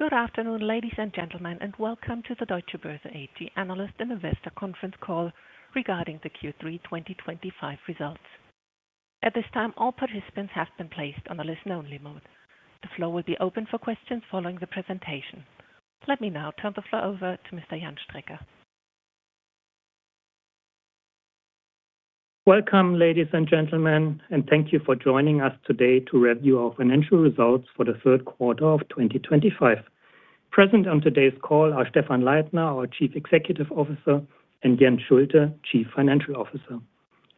Good afternoon, ladies and gentlemen, and Welcome to the Deutsche Börse AG Analyst and Investor conference call regarding the Q3 2025 results. At this time, all participants have been placed on the listen-only mode. The floor will be open for questions following the presentation. Let me now turn the floor over to Mr. Jan Strecker. Welcome, ladies and gentlemen, and thank you for joining us today to review our financial results for the third quarter of 2025. Present on today's call are Stephan Leithner, our Chief Executive Officer, and Jens Schulte, Chief Financial Officer.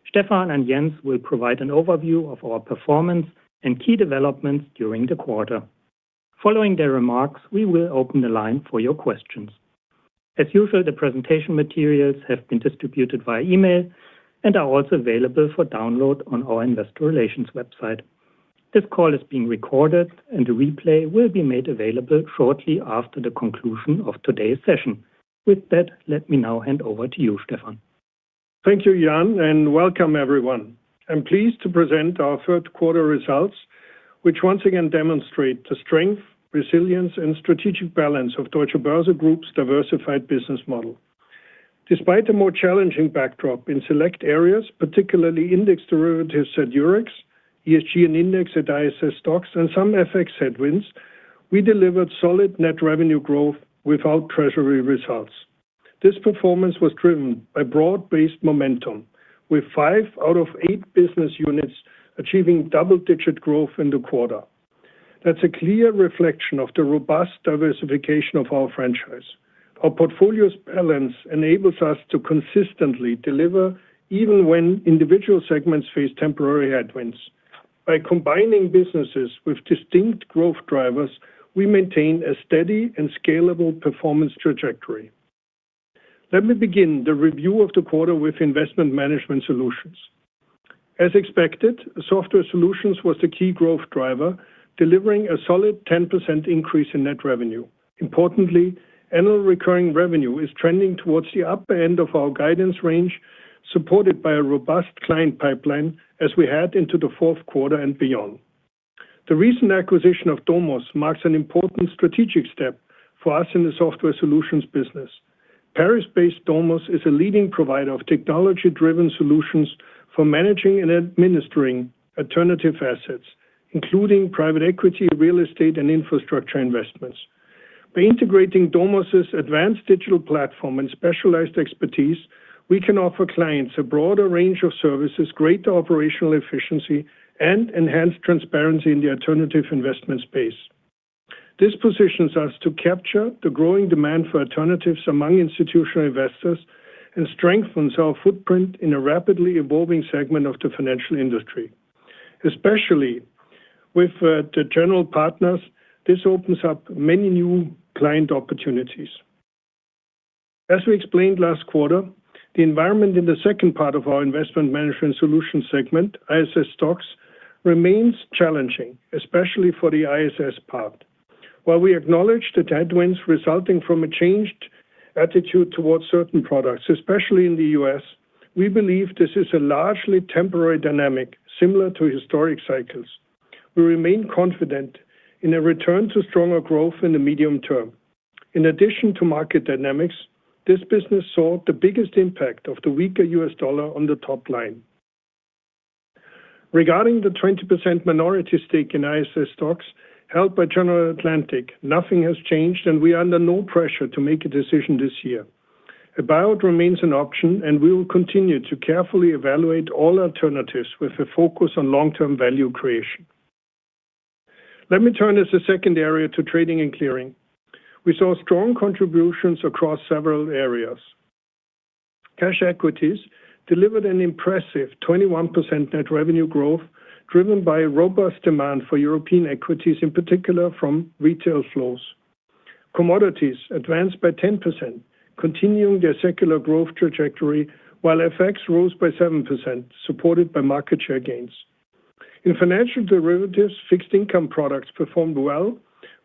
Stephan and Jens will provide an overview of our performance and key developments during the quarter. Following their remarks, we will open the line for your questions. As usual, the presentation materials have been distributed via email and are also available for download on our investor relations website. This call is being recorded, and a replay will be made available shortly after the conclusion of today's session. With that, let me now hand over to you, Stephan. Thank you, Jan, and welcome, everyone. I'm pleased to present our third-quarter results, which once again demonstrate the strength, resilience, and strategic balance of Deutsche Börse Group's diversified business model. Despite a more challenging backdrop in select areas, particularly Index derivatives at Eurex, ESG and Index at ISS STOXX, and some FX headwinds, we delivered solid net revenue growth without treasury results. This performance was driven by broad-based momentum, with five out of eight business units achieving double-digit growth in the quarter. That's a clear reflection of the robust diversification of our franchise. Our portfolio's balance enables us to consistently deliver even when individual segments face temporary headwinds. By combining businesses with distinct growth drivers, we maintain a steady and scalable performance trajectory. Let me begin the review of the quarter with investment management solutions. As expected, software solutions was the key growth driver, delivering a solid 10% increase in net revenue. Importantly, annual recurring revenue is trending towards the upper end of our guidance range, supported by a robust client pipeline as we head into the fourth quarter and beyond. The recent acquisition of Domos marks an important strategic step for us in the software solutions business. Paris-based Domos is a leading provider of technology-driven solutions for managing and administering alternative assets, including private equity, real estate, and infrastructure investments. By integrating Domos's advanced digital platform and specialized expertise, we can offer clients a broader range of services, greater operational efficiency, and enhanced transparency in the alternative investment space. This positions us to capture the growing demand for alternatives among institutional investors and strengthens our footprint in a rapidly evolving segment of the financial industry. Especially with the general partners, this opens up many new client opportunities. As we explained last quarter, the environment in the second part of our investment management solutions segment, ISS STOXX, remains challenging, especially for the ISS part. While we acknowledge the headwinds resulting from a changed attitude towards certain products, especially in the U.S., we believe this is a largely temporary dynamic similar to historic cycles. We remain confident in a return to stronger growth in the medium term. In addition to market dynamics, this business saw the biggest impact of the weaker U.S. dollar on the top line. Regarding the 20% minority stake in ISS STOXX held by General Atlantic, nothing has changed, and we are under no pressure to make a decision this year. A buyout remains an option, and we will continue to carefully evaluate all alternatives with a focus on long-term value creation. Let me turn as a second area to trading and clearing. We saw strong contributions across several areas. Cash equities delivered an impressive 21% net revenue growth, driven by a robust demand for European equities, in particular from retail flows. Commodities advanced by 10%, continuing their circular growth trajectory, while FX rose by 7%, supported by market share gains. In financial derivatives, fixed-income products performed well,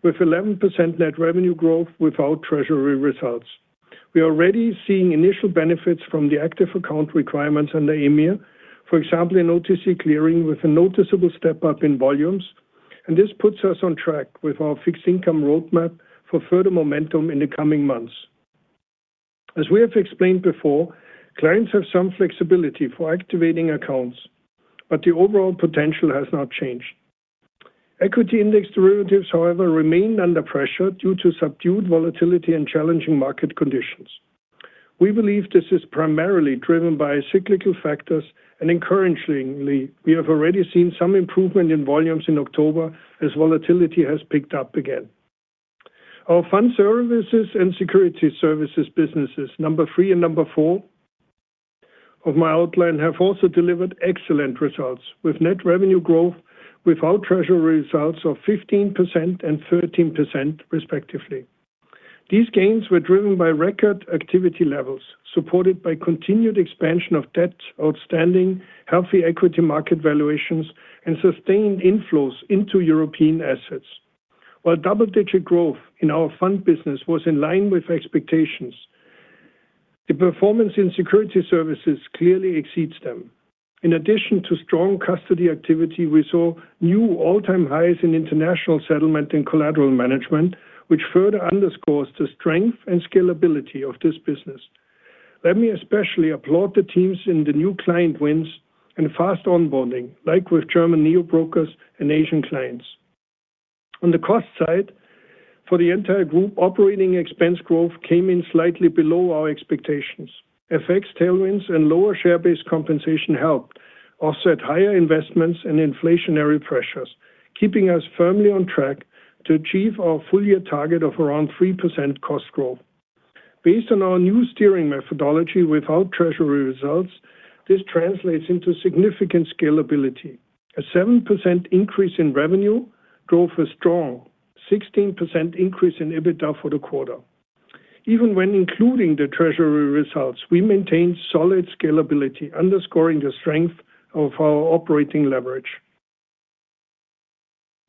with 11% net revenue growth without treasury results. We are already seeing initial benefits from the active account requirements under EMIR, for example, in OTC clearing with a noticeable step up in volumes, and this puts us on track with our fixed-income roadmap for further momentum in the coming months. As we have explained before, clients have some flexibility for activating accounts, but the overall potential has not changed. Equity Index derivatives, however, remain under pressure due to subdued volatility and challenging market conditions. We believe this is primarily driven by cyclical factors, and encouragingly, we have already seen some improvement in volumes in October as volatility has picked up again. Our fund services and security services businesses, number three and number four of my outline, have also delivered excellent results, with net revenue growth without treasury results of 15% and 13%, respectively. These gains were driven by record activity levels, supported by continued expansion of debt outstanding, healthy equity market valuations, and sustained inflows into European assets. While double-digit growth in our fund business was in line with expectations, the performance in security services clearly exceeds them. In addition to strong custody activity, we saw new all-time highs in international settlement and collateral management, which further underscores the strength and scalability of this business. Let me especially applaud the teams in the new client wins and fast onboarding, like with German neobrokers and Asian clients. On the cost side, for the entire group, operating expense growth came in slightly below our expectations. FX tailwinds and lower share-based compensation helped offset higher investments and inflationary pressures, keeping us firmly on track to achieve our full-year target of around 3% cost growth. Based on our new steering methodology without treasury results, this translates into significant scalability. A 7% increase in revenue growth was strong, a 16% increase in EBITDA for the quarter. Even when including the treasury results, we maintained solid scalability, underscoring the strength of our operating leverage.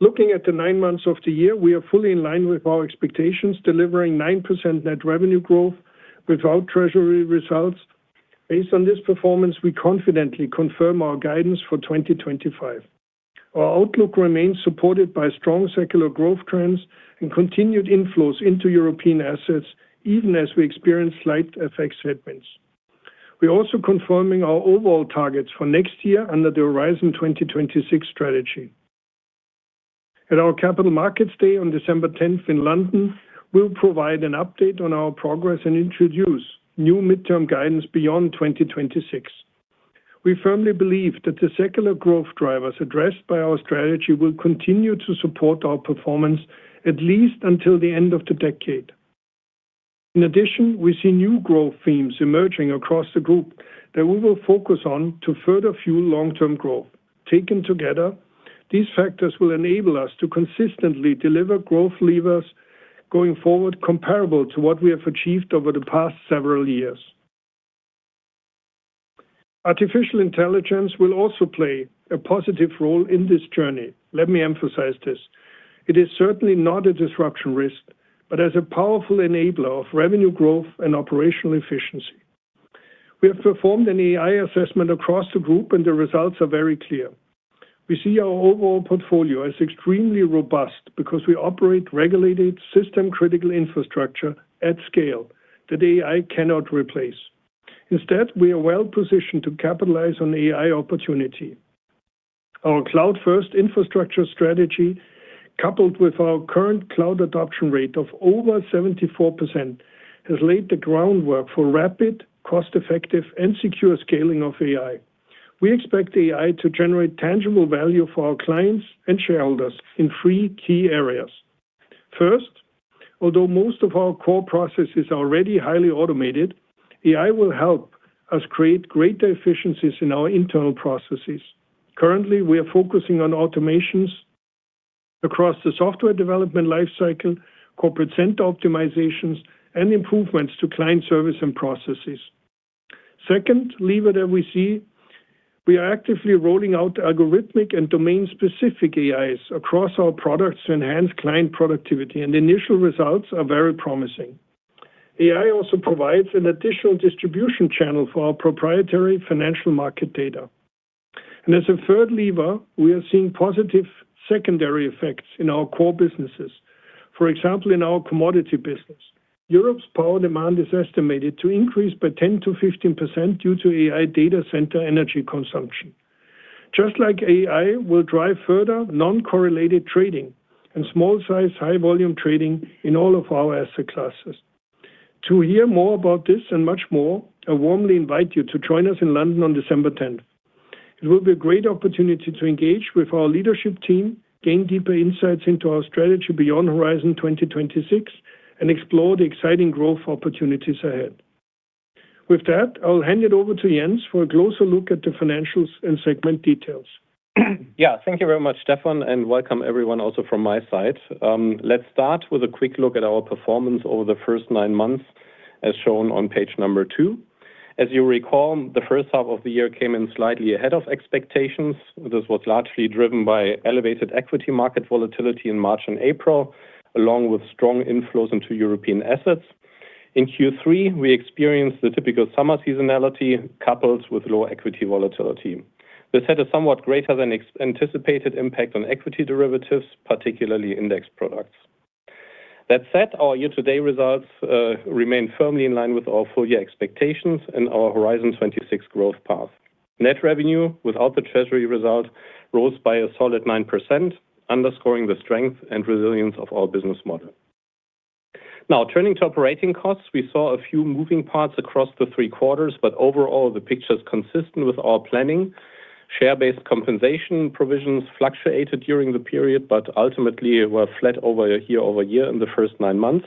Looking at the nine months of the year, we are fully in line with our expectations, delivering 9% net revenue growth without treasury results. Based on this performance, we confidently confirm our guidance for 2025. Our outlook remains supported by strong circular growth trends and continued inflows into European assets, even as we experience slight FX headwinds. We're also confirming our overall targets for next year under the Horizon 2026 strategy. At our Capital Markets Day on December 10 in London, we'll provide an update on our progress and introduce new midterm guidance beyond 2026. We firmly believe that the circular growth drivers addressed by our strategy will continue to support our performance at least until the end of the decade. In addition, we see new growth themes emerging across the group that we will focus on to further fuel long-term growth. Taken together, these factors will enable us to consistently deliver growth levers going forward comparable to what we have achieved over the past several years. Artificial intelligence will also play a positive role in this journey. Let me emphasize this: it is certainly not a disruption risk, but as a powerful enabler of revenue growth and operational efficiency. We have performed an AI assessment across the group, and the results are very clear. We see our overall portfolio as extremely robust because we operate regulated, system-critical infrastructure at scale that AI cannot replace. Instead, we are well positioned to capitalize on AI opportunity. Our cloud-first infrastructure strategy, coupled with our current cloud adoption rate of over 74%, has laid the groundwork for rapid, cost-effective, and secure scaling of AI. We expect AI to generate tangible value for our clients and shareholders in three key areas. First, although most of our core processes are already highly automated, AI will help us create greater efficiencies in our internal processes. Currently, we are focusing on automations across the software development lifecycle, corporate center optimizations, and improvements to client service and processes. The second lever that we see, we are actively rolling out algorithmic and domain-specific AIs across our products to enhance client productivity, and initial results are very promising. AI also provides an additional distribution channel for our proprietary financial market data. As a third lever, we are seeing positive secondary effects in our core businesses, for example, in our commodity business. Europe's power demand is estimated to increase by 10% - 15% due to AI data center energy consumption. Just like AI, it will drive further non-correlated trading and small-size, high-volume trading in all of our asset classes. To hear more about this and much more, I warmly invite you to join us in London on December 10th. It will be a great opportunity to engage with our leadership team, gain deeper insights into our strategy beyond Horizon 2026, and explore the exciting growth opportunities ahead. With that, I'll hand it over to Jens for a closer look at the financials and segment details. Thank you very much, Stephan, and welcome everyone also from my side. Let's start with a quick look at our performance over the first nine months, as shown on page number two. As you recall, the first half of the year came in slightly ahead of expectations. This was largely driven by elevated equity market volatility in March and April, along with strong inflows into European assets. In Q3, we experienced the typical summer seasonality, coupled with low equity volatility. This had a somewhat greater than anticipated impact on equity derivatives, particularly Index products. That said, our year-to-date results remain firmly in line with our full-year expectations and our Horizon 2026 growth path. Net revenue, without the treasury result, rose by a solid 9%, underscoring the strength and resilience of our business model. Now, turning to operating costs, we saw a few moving parts across the three quarters, but overall, the picture is consistent with our planning. Share-based compensation provisions fluctuated during the period, but ultimately were flat year-over-year in the first nine months.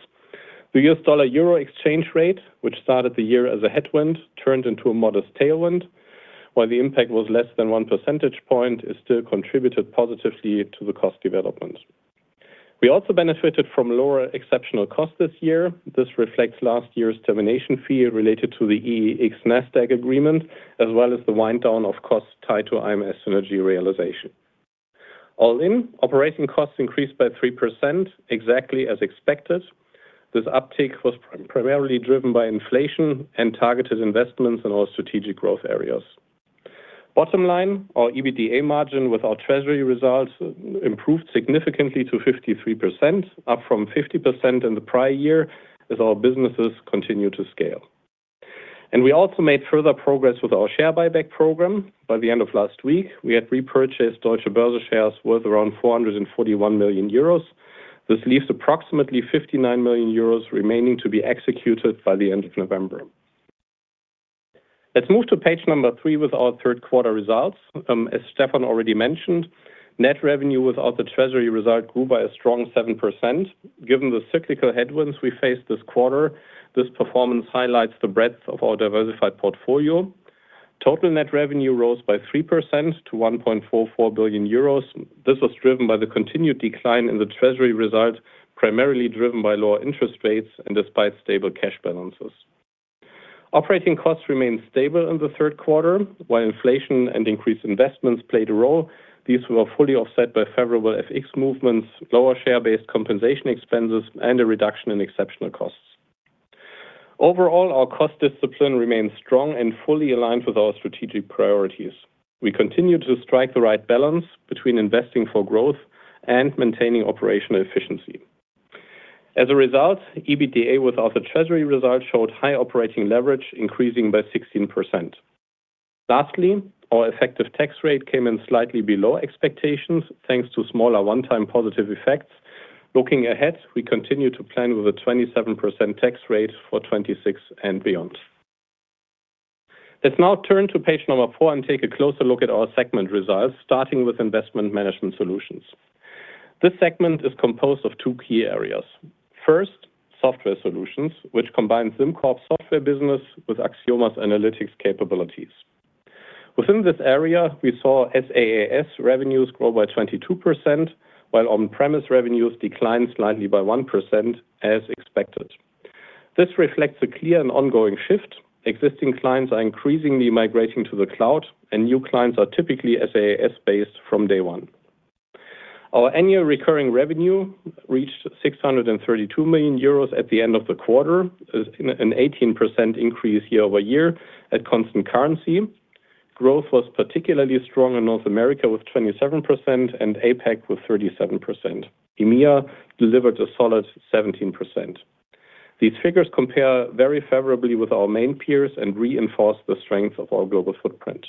The U.S. dollar euro exchange rate, which started the year as a headwind, turned into a modest tailwind. While the impact was less than 1%, it still contributed positively to the cost development. We also benefited from lower exceptional costs this year. This reflects last year's termination fee related to the EEX Nasdaq agreement, as well as the wind-down of costs tied to IMS synergy realization. All in, operating costs increased by 3%, exactly as expected. This uptick was primarily driven by inflation and targeted investments in our strategic growth areas. Bottom line, our EBITDA margin with our treasury results improved significantly to 53%, up from 50% in the prior year, as our businesses continue to scale. We also made further progress with our share buyback program. By the end of last week, we had repurchased Deutsche Börse shares worth around 441 million euros. This leaves approximately 59 million euros remaining to be executed by the end of November. Let's move to page number three with our third-quarter results. As Stephan already mentioned, net revenue without the treasury result grew by a strong 7%. Given the cyclical headwinds we faced this quarter, this performance highlights the breadth of our diversified portfolio. Total net revenue rose by 3% to 1.44 billion euros. This was driven by the continued decline in the treasury result, primarily driven by lower interest rates and despite stable cash balances. Operating costs remained stable in the third quarter. While inflation and increased investments played a role, these were fully offset by favorable FX movements, lower share-based compensation expenses, and a reduction in exceptional costs. Overall, our cost discipline remains strong and fully aligned with our strategic priorities. We continue to strike the right balance between investing for growth and maintaining operational efficiency. As a result, EBITDA without the treasury result showed high operating leverage, increasing by 16%. Lastly, our effective tax rate came in slightly below expectations, thanks to smaller one-time positive effects. Looking ahead, we continue to plan with a 27% tax rate for 2026 and beyond. Let's now turn to page number four and take a closer look at our segment results, starting with investment management solutions. This segment is composed of two key areas. First, software solutions, which combines SimCorp's software business with Axioma's Analytics capabilities. Within this area, we saw SaaS revenues grow by 22%, while on-premise revenues declined slightly by 1%, as expected. This reflects a clear and ongoing shift. Existing clients are increasingly migrating to the cloud, and new clients are typically SaaS-based from day one. Our annual recurring revenue reached 632 million euros at the end of the quarter, an 18% increase year-over-year at constant currency. Growth was particularly strong in North America with 27% and APAC with 37%. EMEA delivered a solid 17%. These figures compare very favorably with our main peers and reinforce the strength of our global footprint.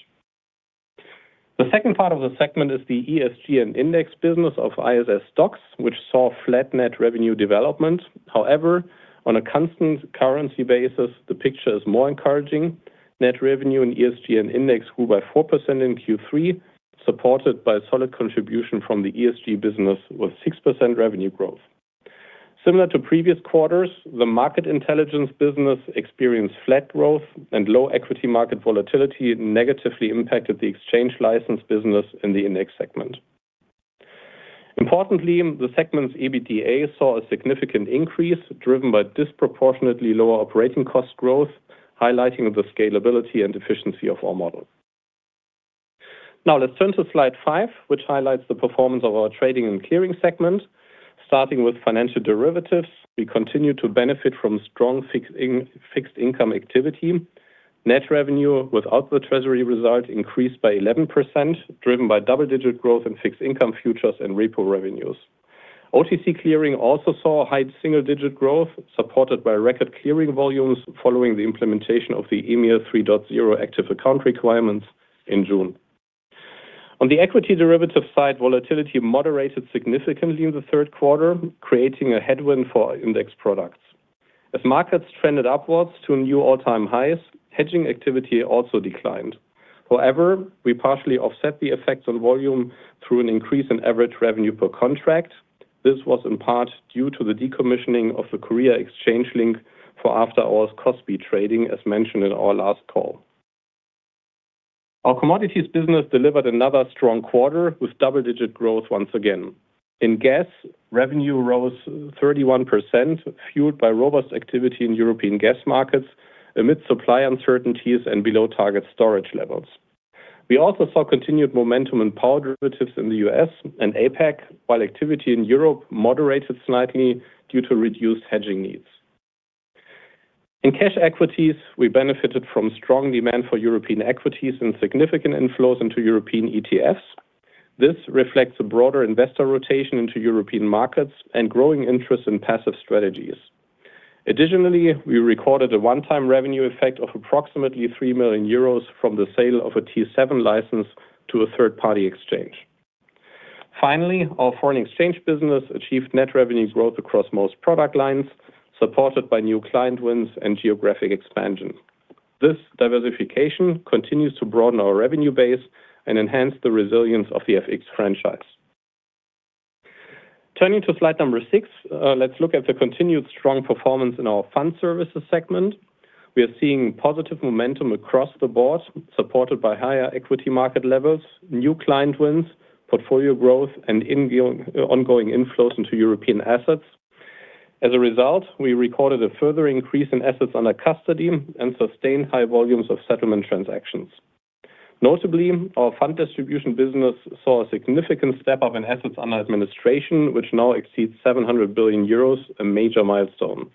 The second part of the segment is the ESG and Index business of ISS STOXX, which saw flat net revenue development. However, on a constant currency basis, the picture is more encouraging. Net revenue in ESG and Index grew by 4% in Q3, supported by a solid contribution from the ESG business with 6% revenue growth. Similar to previous quarters, the market intelligence business experienced flat growth, and low equity market volatility negatively impacted the exchange license business in the Index segment. Importantly, the segment's EBITDA saw a significant increase, driven by disproportionately lower operating cost growth, highlighting the scalability and efficiency of our model. Now, let's turn to slide five, which highlights the performance of our trading and clearing segment. Starting with financial derivatives, we continue to benefit from strong fixed-income activity. Net revenue without the treasury result increased by 11%, driven by double-digit growth in fixed-income futures and repo revenues. OTC clearing also saw high single-digit growth, supported by record clearing volumes following the implementation of the EMEA 3.0 active account requirements in June. On the equity derivative side, volatility moderated significantly in the third quarter, creating a headwind for Index products. As markets trended upwards to new all-time highs, hedging activity also declined. However, we partially offset the effects on volume through an increase in average revenue per contract. This was in part due to the decommissioning of the Korea Exchange link for after-hours cost-beat trading, as mentioned in our last call. Our commodities business delivered another strong quarter with double-digit growth once again. In gas, revenue rose 31%, fueled by robust activity in European gas markets amid supply uncertainties and below-target storage levels. We also saw continued momentum in power derivatives in the U.S. and APAC, while activity in Europe moderated slightly due to reduced hedging needs. In cash equities, we benefited from strong demand for European equities and significant inflows into European ETFs. This reflects a broader investor rotation into European markets and growing interest in passive strategies. Additionally, we recorded a one-time revenue effect of approximately 3 million euros from the sale of a T7 license to a third-party exchange. Finally, our foreign exchange business achieved net revenue growth across most product lines, supported by new client wins and geographic expansion. This diversification continues to broaden our revenue base and enhance the resilience of the FX franchise. Turning to slide number six, let's look at the continued strong performance in our fund services segment. We are seeing positive momentum across the board, supported by higher equity market levels, new client wins, portfolio growth, and ongoing inflows into European assets. As a result, we recorded a further increase in assets under custody and sustained high volumes of settlement transactions. Notably, our fund distribution business saw a significant step up in assets under administration, which now exceeds 700 million euros, a major milestone.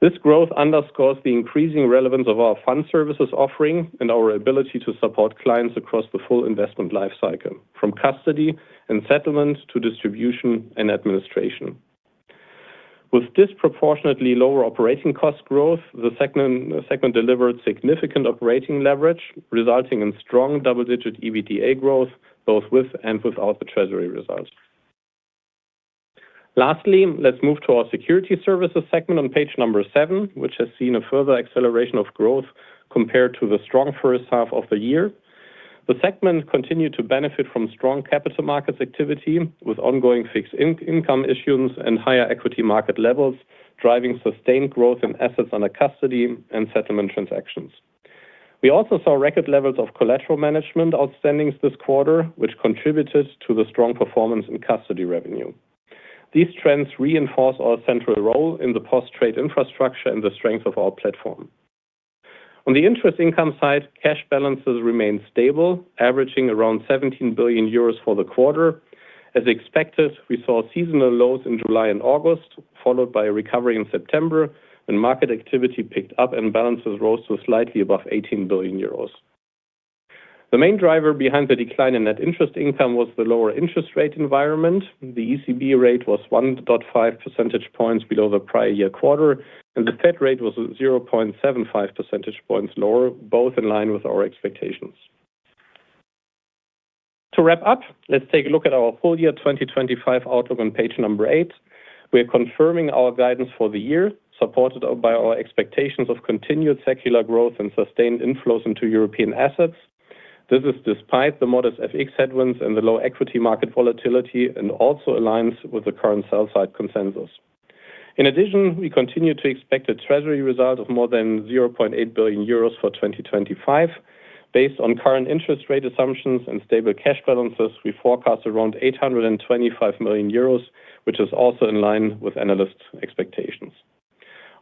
This growth underscores the increasing relevance of our fund services offering and our ability to support clients across the full investment lifecycle, from custody and settlement to distribution and administration. With disproportionately lower operating cost growth, the segment delivered significant operating leverage, resulting in strong double-digit EBITDA growth, both with and without the treasury result. Lastly, let's move to our security services segment on page number seven, which has seen a further acceleration of growth compared to the strong first half of the year. The segment continued to benefit from strong capital markets activity, with ongoing fixed-income issues and higher equity market levels driving sustained growth in assets under custody and settlement transactions. We also saw record levels of collateral management outstandings this quarter, which contributed to the strong performance in custody revenue. These trends reinforce our central role in the post-trade infrastructure and the strength of our platform. On the interest income side, cash balances remained stable, averaging around 17 billion euros for the quarter. As expected, we saw seasonal lows in July and August, followed by a recovery in September when market activity picked up and balances rose to slightly above 18 billion euros. The main driver behind the decline in net interest income was the lower interest rate environment. The ECB rate was 1.5% below the prior year quarter, and the Fed rate was 0.75% lower, both in line with our expectations. To wrap up, let's take a look at our full-year 2025 outlook on page number eight. We are confirming our guidance for the year, supported by our expectations of continued circular growth and sustained inflows into European assets. This is despite the modest FX headwinds and the low equity market volatility, and also aligns with the current sell-side consensus. In addition, we continue to expect a treasury result of more than 0.8 billion euros for 2025. Based on current interest rate assumptions and stable cash balances, we forecast around 825 million euros, which is also in line with analysts' expectations.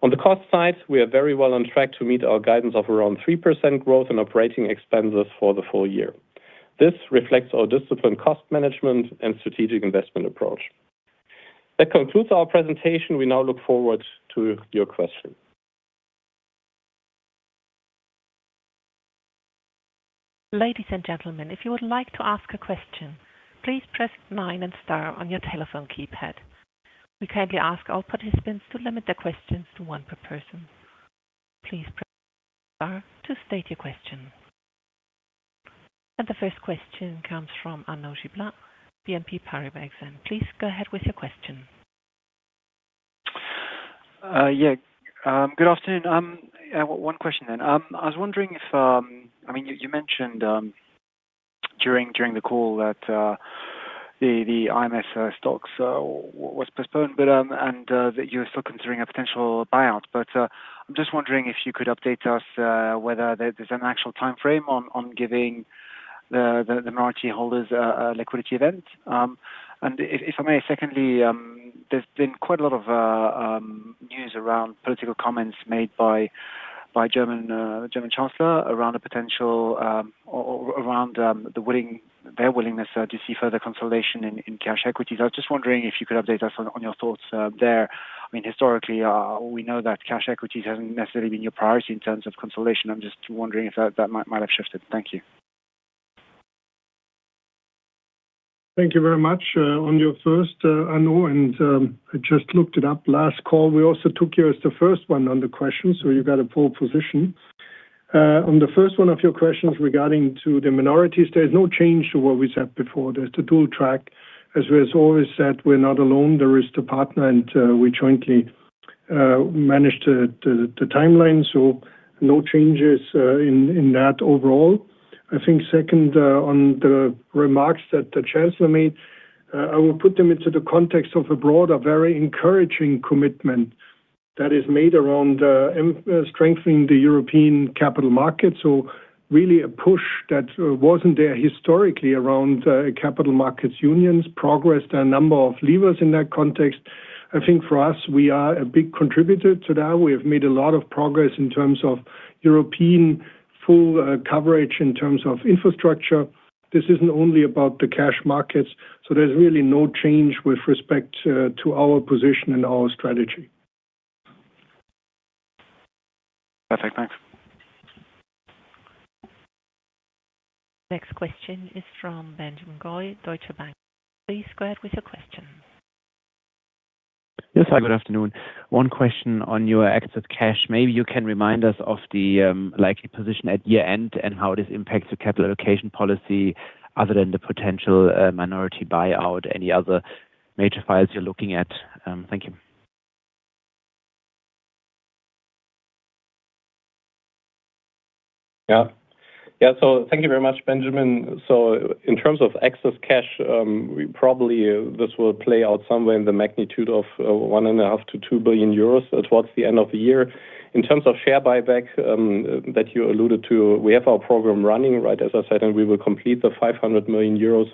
On the cost side, we are very well on track to meet our guidance of around 3% growth in operating expenses for the full year. This reflects our disciplined cost management and strategic investment approach. That concludes our presentation. We now look forward to your questions. Ladies and gentlemen, if you would like to ask a question, please press nine and star on your telephone keypad. We kindly ask all participants to limit their questions to one per person. Please press star to state your question. The first question comes from Arnaud Giblat, BNP Paribas. Please go ahead with your question. Yeah. Good afternoon. One question then. I was wondering if, I mean, you mentioned during the call that the ISS STOXX were postponed and that you were still considering a potential buyout. I'm just wondering if you could update us whether there's an actual timeframe on giving the minority holders a liquidity event. If I may, secondly, there's been quite a lot of news around political comments made by the German chancellor around a potential or around their willingness to see further consolidation in cash equities. I was just wondering if you could update us on your thoughts there. Historically, we know that cash equities haven't necessarily been your priority in terms of consolidation. I'm just wondering if that might have shifted. Thank you. Thank you very much. On your first, Arnaud and I just looked it up. Last call, we also took you as the first one on the questions, so you got a full position. On the first one of your questions regarding the minorities, there's no change to what we said before. There's the dual track. As we always said, we're not alone. There is the partner, and we jointly manage the timeline. No changes in that overall. I think second, on the remarks that the chancellor made, I will put them into the context of a broader, very encouraging commitment that is made around strengthening the European capital markets. Really a push that wasn't there historically around capital markets union's progress. There are a number of levers in that context. I think for us, we are a big contributor to that. We have made a lot of progress in terms of European full coverage in terms of infrastructure. This isn't only about the cash markets. There's really no change with respect to our position and our strategy. Perfect. Thanks. Next question is from Benjamin Goy, Deutsche Bank. Please go ahead with your question. Yes. Good afternoon. One question on your excess cash. Maybe you can remind us of the likely position at year end and how this impacts your capital allocation policy other than the potential minority buyout. Any other major files you're looking at? Thank you. Thank you very much, Benjamin. In terms of excess cash, this will probably play out somewhere in the magnitude of 1.5 billion - 2 billion euros towards the end of the year. In terms of share buyback that you alluded to, we have our program running, as I said, and we will complete the 500 million euros.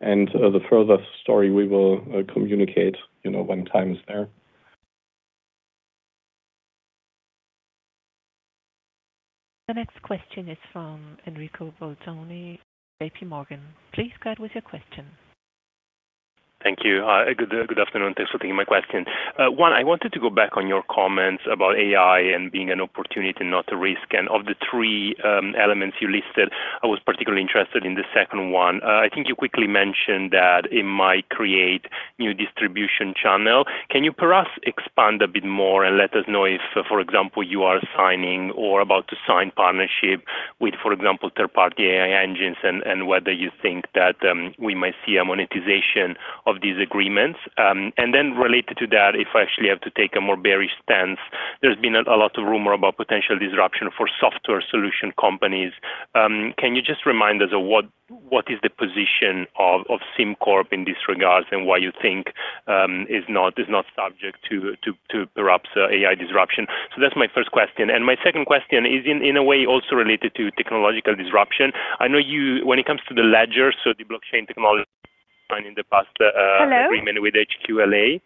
The further story, we will communicate when time is there. The next question is from Enrico Bolzoni, JPMorgan. Please go ahead with your question. Thank you. Good afternoon. Thanks for taking my question. One, I wanted to go back on your comments about AI and being an opportunity, not a risk. Of the three elements you listed, I was particularly interested in the second one. I think you quickly mentioned that it might create new distribution channels. Can you perhaps expand a bit more and let us know if, for example, you are signing or about to sign partnerships with, for example, third-party AI engines and whether you think that we might see a monetization of these agreements? Related to that, if I actually have to take a more bearish stance, there's been a lot of rumor about potential disruption for software solution companies. Can you just remind us of what is the position of SimCorp in this regard and why you think it's not subject to perhaps AI disruption? That's my first question. My second question is in a way also related to technological disruption. I know when it comes to the ledger, so the Blockchain technology in the past agreement with HQLA-X,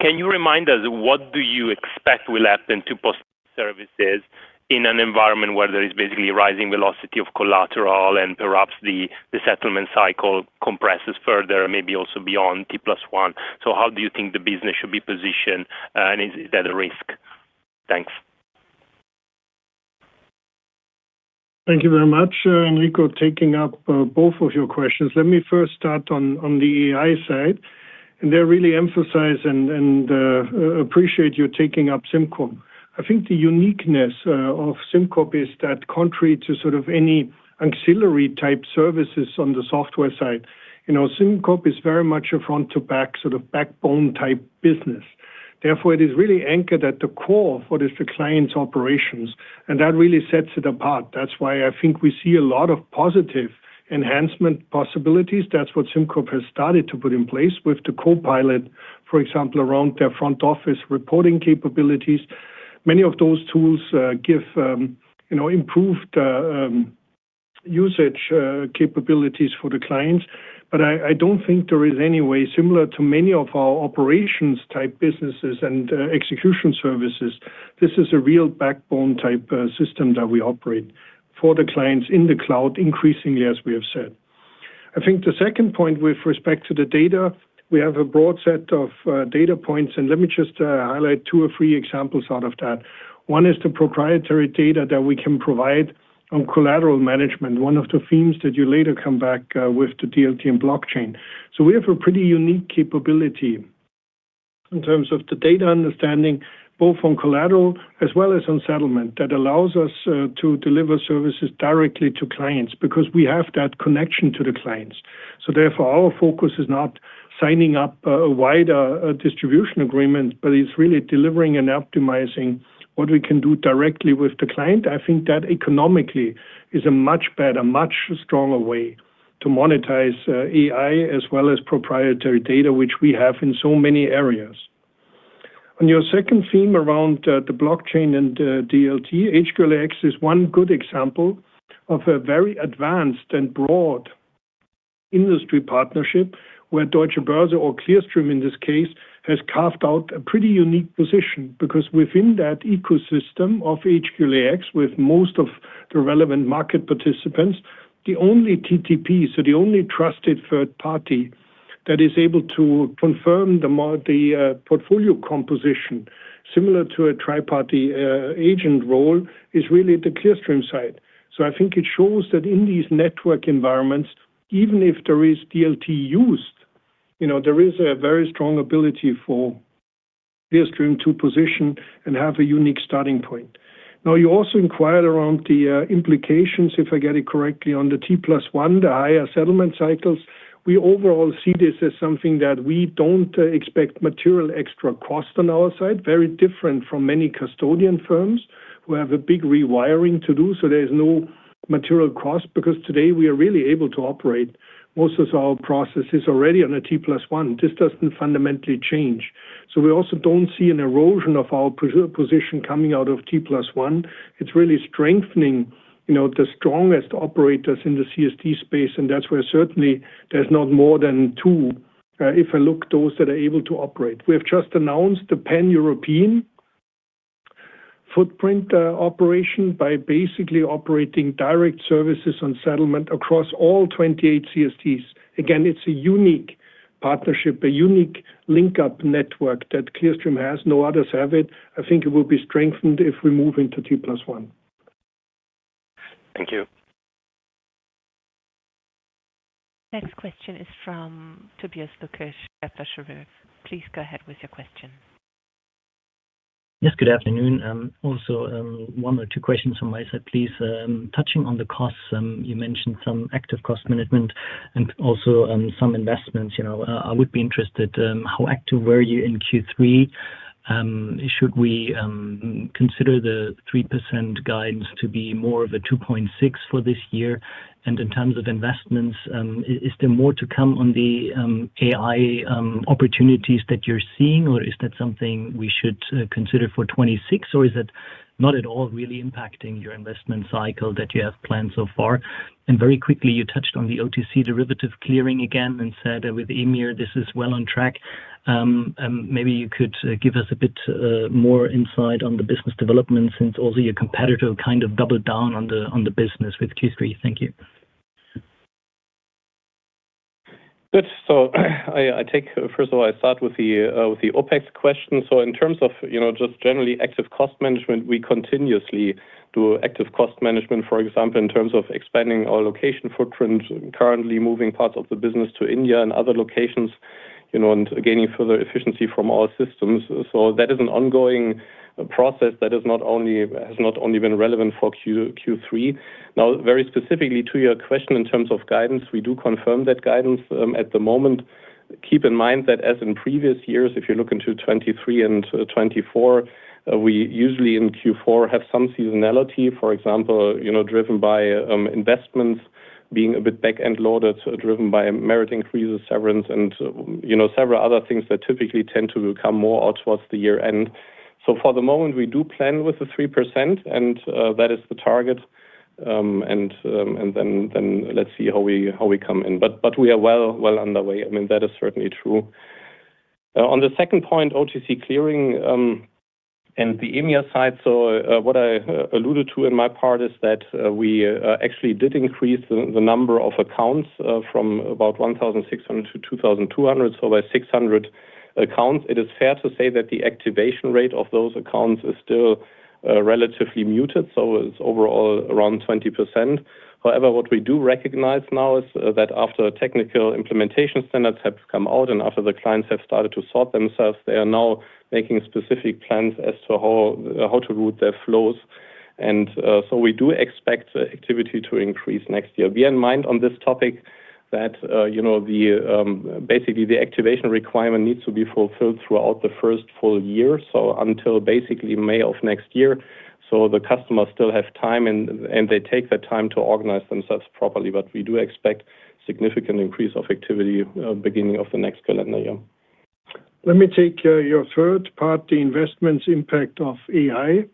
can you remind us what you expect will happen to post-trade services in an environment where there is basically a rising velocity of collateral and perhaps the settlement cycle compresses further, maybe also beyond T+1? How do you think the business should be positioned and is that a risk? Thanks. Thank you very much, Enrico, taking up both of your questions. Let me first start on the AI side. I really emphasize and appreciate your taking up SimCorp. I think the uniqueness of SimCorp is that contrary to sort of any ancillary type services on the software side, SimCorp is very much a front-to-back sort of backbone type business. Therefore, it is really anchored at the core for the client's operations, and that really sets it apart. That's why I think we see a lot of positive enhancement possibilities. That's what SimCorp has started to put in place with the copilot, for example, around their front office reporting capabilities. Many of those tools give improved usage capabilities for the clients. I don't think there is any way, similar to many of our operations type businesses and execution services, this is a real backbone type system that we operate for the clients in the cloud, increasingly, as we have said. I think the second point with respect to the data, we have a broad set of data points. Let me just highlight two or three examples out of that. One is the proprietary data that we can provide on collateral management, one of the themes that you later come back with the DLT and Blockchain. We have a pretty unique capability in terms of the data understanding, both on collateral as well as on settlement, that allows us to deliver services directly to clients because we have that connection to the clients. Therefore, our focus is not signing up a wider distribution agreement, but it's really delivering and optimizing what we can do directly with the client. I think that economically is a much better, much stronger way to monetize AI as well as proprietary data, which we have in so many areas. On your second theme around the Blockchain and DLT, HQLA-X is one good example of a very advanced and broad industry partnership where Deutsche Börse or Clearstream in this case has carved out a pretty unique position because within that ecosystem of HQLA-X, with most of the relevant market participants, the only DTP, so the only trusted third party that is able to confirm the portfolio composition, similar to a triparty agent role, is really the Clearstream side. I think it shows that in these network environments, even if there is DLT used, there is a very strong ability for Clearstream to position and have a unique starting point. Now, you also inquired around the implications, if I get it correctly, on the T+1, the higher settlement cycles. We overall see this as something that we don't expect material extra cost on our side, very different from many custodian firms who have a big rewiring to do. There's no material cost because today we are really able to operate. Most of our process is already on a T+1. This doesn't fundamentally change. We also don't see an erosion of our position coming out of T+1. It's really strengthening the strongest operators in the CSD space. That's where certainly there's not more than two, if I look at those that are able to operate. We have just announced the pan-European footprint operation by basically operating direct services on settlement across all 28 CSDs. Again, it's a unique partnership, a unique link-up network that Clearstream has. No others have it. I think it will be strengthened if we move into T+1. Thank you. Next question is from Tobias Lukesch, Kepler Cheuvreux. Please go ahead with your question. Yes, good afternoon. Also, one or two questions on my side, please. Touching on the costs, you mentioned some active cost management and also some investments. I would be interested, how active were you in Q3? Should we consider the 3% guidance to be more of a 2.6% for this year? In terms of investments, is there more to come on the AI opportunities that you're seeing, or is that something we should consider for 2026, or is it not at all really impacting your investment cycle that you have planned so far? Very quickly, you touched on the OTC derivative clearing again and said with EMEA, this is well on track. Maybe you could give us a bit more insight on the business development since also your competitor kind of doubled down on the business with Q3. Thank you. Good. I take, first of all, I start with the OpEx question. In terms of just generally active cost management, we continuously do active cost management, for example, in terms of expanding our location footprint, currently moving parts of the business to India and other locations, and gaining further efficiency from our systems. That is an ongoing process that has not only been relevant for Q3. Very specifically to your question in terms of guidance, we do confirm that guidance at the moment. Keep in mind that as in previous years, if you look into 2023 and 2024, we usually in Q4 have some seasonality, for example, driven by investments being a bit back-end loaded, driven by merit increases, severance, and several other things that typically tend to come more out towards the year end. For the moment, we do plan with the 3%, and that is the target. Let's see how we come in. We are well underway. That is certainly true. On the second point, OTC clearing and the EMEA side, what I alluded to in my part is that we actually did increase the number of accounts from about 1,600 - 2,200. By 600 accounts, it is fair to say that the activation rate of those accounts is still relatively muted. It is overall around 20%. However, what we do recognize now is that after technical implementation standards have come out and after the clients have started to sort themselves, they are now making specific plans as to how to route their flows. We do expect activity to increase next year. Bear in mind on this topic that basically the activation requirement needs to be fulfilled throughout the first full year, so until basically May of next year. The customers still have time, and they take that time to organize themselves properly. We do expect a significant increase of activity at the beginning of the next calendar year. Let me take your third part, the investments impact of AI.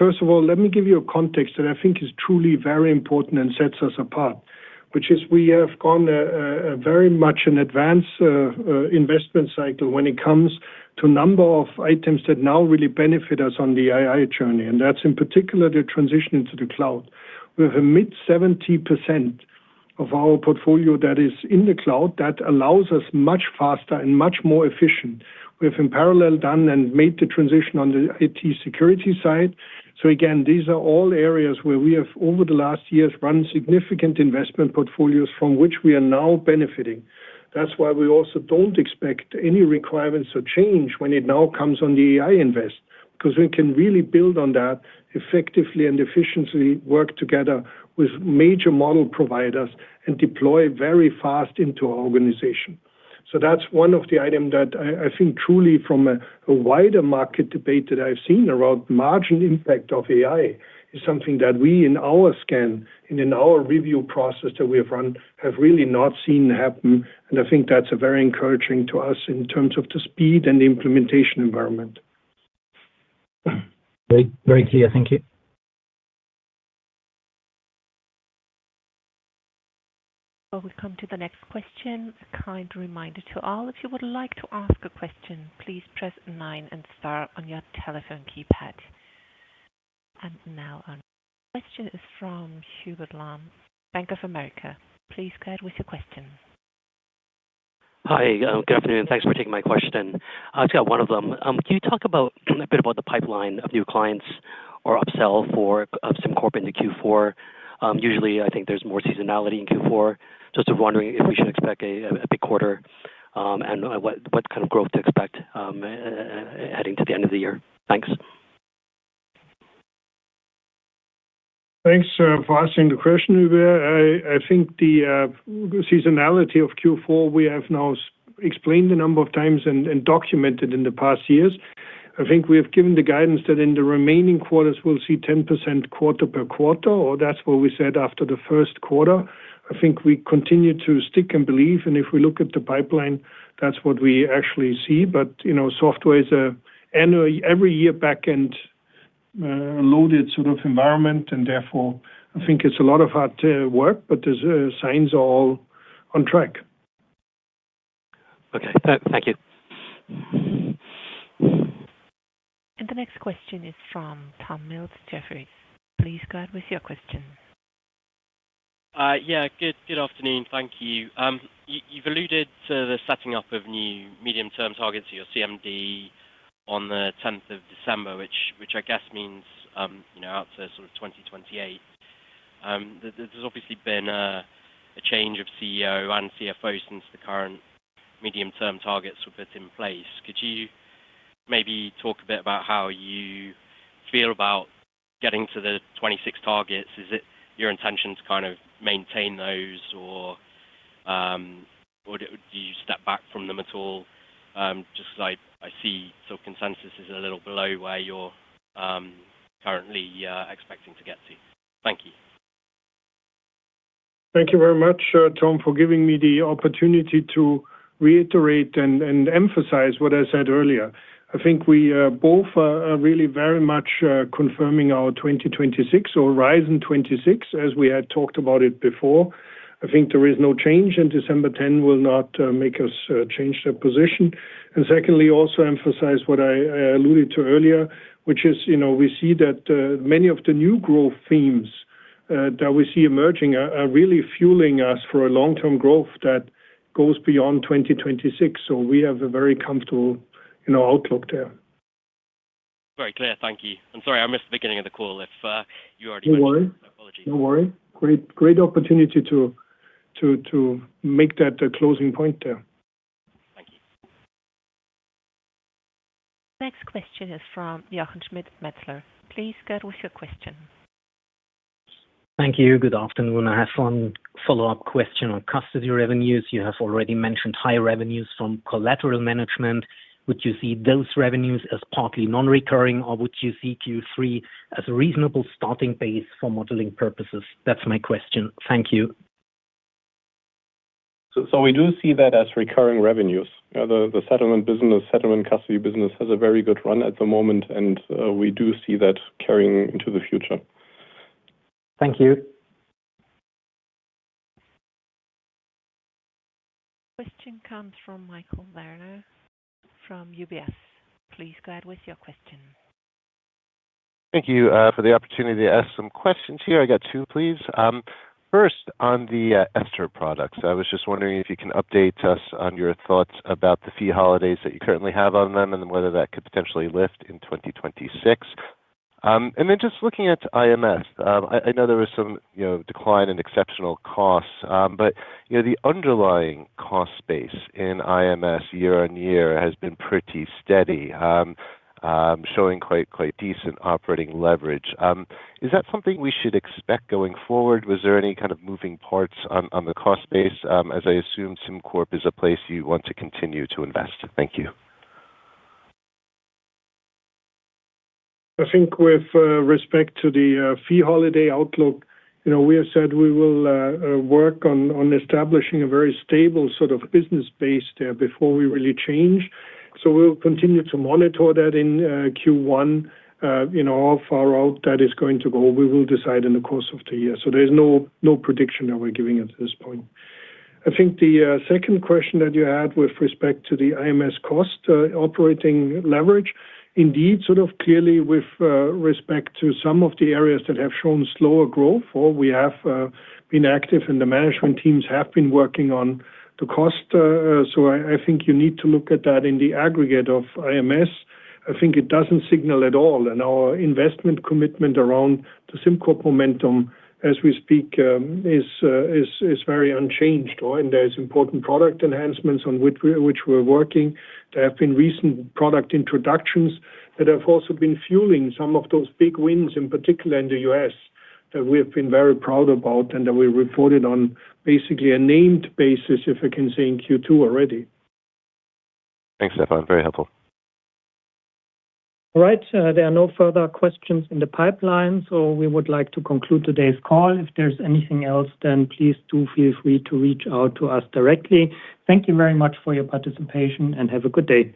First of all, let me give you a context that I think is truly very important and sets us apart, which is we have gone very much in advance of the investment cycle when it comes to a number of items that now really benefit us on the AI journey. That's in particular the transition into the cloud. We have a mid-70% of our portfolio that is in the cloud that allows us much faster and much more efficiently. We have in parallel done and made the transition on the IT security side. These are all areas where we have over the last years run significant investment portfolios from which we are now benefiting. That's why we also don't expect any requirements to change when it now comes on the AI invest because we can really build on that, effectively and efficiently work together with major model providers and deploy very fast into our organization. That's one of the items that I think truly from a wider market debate that I've seen around the margin impact of AI is something that we in our scan and in our review process that we have run have really not seen happen. I think that's very encouraging to us in terms of the speed and the implementation environment. Very clear. Thank you. Before we come to the next question, a kind reminder to all, if you would like to ask a question, please press star nine on your telephone keypad. Our next question is from Hubert Lam, Bank of America. Please go ahead with your question. Hi. Good afternoon. Thanks for taking my question. I just got one of them. Can you talk a bit about the pipeline of new clients or upsell for SimCorp into Q4? Usually, I think there's more seasonality in Q4. Just wondering if we should expect a big quarter and what kind of growth to expect adding to the end of the year. Thanks. Thanks for asking the question, Hubert. I think the seasonality of Q4, we have now explained a number of times and documented in the past years. I think we have given the guidance that in the remaining quarters, we'll see 10% quarter per quarter, or that's what we said after the first quarter. I think we continue to stick and believe, and if we look at the pipeline, that's what we actually see. Software is an every year backend loaded sort of environment, and therefore, I think it's a lot of hard work, but the signs are all on track. Okay, thank you. The next question is from Tom Mills, Jefferies. Please go ahead with your question. Yeah. Good afternoon. Thank you. You've alluded to the setting up of new medium-term targets at your CMD on 10th December, which I guess means out to 2028. There's obviously been a change of CEO and CFO since the current medium-term targets were put in place. Could you maybe talk a bit about how you feel about getting to the 2026 targets? Is it your intention to kind of maintain those, or do you step back from them at all? Just because I see consensus is a little below where you're currently expecting to get to. Thank you. Thank you very much, Tom, for giving me the opportunity to reiterate and emphasize what I said earlier. I think we both are really very much confirming our 2026 or Horizon 2026, as we had talked about it before. I think there is no change, and December 10 will not make us change that position. Secondly, I also emphasize what I alluded to earlier, which is we see that many of the new growth themes that we see emerging are really fueling us for a long-term growth that goes beyond 2026. We have a very comfortable outlook there. Very clear. Thank you. Sorry, I missed the beginning of the call. No worries. Great opportunity to make that closing point there. Thank you. Next question is from Jochen Schmitt, Metzler. Please go ahead with your question. Thank you. Good afternoon. I have one follow-up question on custody revenues. You have already mentioned high revenues from collateral management. Would you see those revenues as partly non-recurring, or would you see Q3 as a reasonable starting base for modeling purposes? That's my question. Thank you. We do see that as recurring revenues. The settlement custody business has a very good run at the moment, and we do see that carrying into the future. Thank you. Question comes from Michel Lerner from UBS. Please go ahead with your question. Thank you for the opportunity to ask some questions here. I got two, please. First, on the €STR products, I was just wondering if you can update us on your thoughts about the fee holidays that you currently have on them and whether that could potentially lift in 2026. Just looking at IMS, I know there was some decline in exceptional costs, but the underlying cost base in IMS year-on-year has been pretty steady, showing quite decent operating leverage. Is that something we should expect going forward? Was there any kind of moving parts on the cost base, as I assume SimCorp is a place you want to continue to invest? Thank you. I think with respect to the fee holiday outlook, we have said we will work on establishing a very stable sort of business base there before we really change. We'll continue to monitor that in Q1. How far out that is going to go, we will decide in the course of the year. There's no prediction that we're giving at this point. I think the second question that you had with respect to the IMS cost operating leverage, indeed, clearly with respect to some of the areas that have shown slower growth, we have been active and the management teams have been working on the cost. I think you need to look at that in the aggregate of IMS. I think it doesn't signal at all, and our investment commitment around the SimCorp momentum as we speak is very unchanged. There are important product enhancements on which we're working. There have been recent product introductions that have also been fueling some of those big wins, in particular in the U.S., that we have been very proud about and that we reported on basically a named basis, if I can say, in Q2 already. Thanks, Stephan. Very helpful. All right. There are no further questions in the pipeline, so we would like to conclude today's call. If there's anything else, then please do feel free to reach out to us directly. Thank you very much for your participation and have a good day.